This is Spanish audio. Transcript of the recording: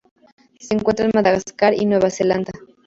Se encuentra en Madagascar y Nueva Zelanda.